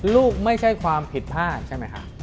ไม่ใช่ความผิดพลาดใช่ไหมคะ